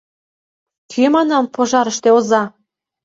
— Кӧ, манам, пожарыште оза?